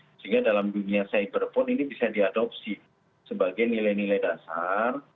sehingga dalam dunia cyber pun ini bisa diadopsi sebagai nilai nilai dasar